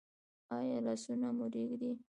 ایا لاسونه مو ریږدي؟